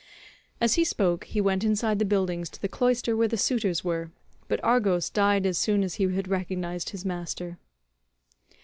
As he spoke he went inside the buildings to the cloister where the suitors were, but Argos died as soon as he had recognised his master.